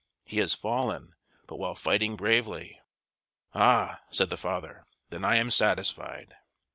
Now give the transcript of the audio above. He has fallen, but while fighting bravely." "Ah!" said the father, "then I am satisfied!"